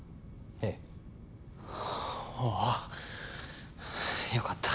ええ。ああよかった。